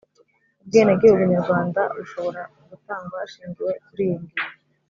Ubwenegihugu nyarwanda bushobo ra gutangwa hashingiwe kuri iyi ngingo